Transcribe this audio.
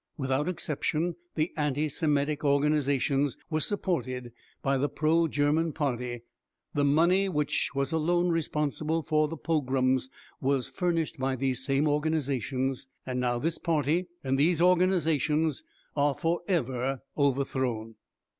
Without exception the anti Semitic organisations were supported by the pro German party, the money which was alone responsible for the pogroms was furnished by these same organisations, and now this Party and these organisations are forever overthrown.